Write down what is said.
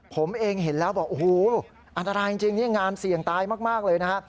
ผมเองเห็นแล้วบอกโอ้โหอันตรายจริงนี่งานเสี่ยงตายมากเลยนะฮะ